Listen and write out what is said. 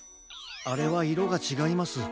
あれはいろがちがいます。